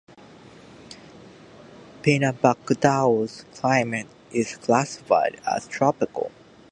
Pinabacdao's climate is classified as tropical.